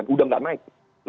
udah nggak naik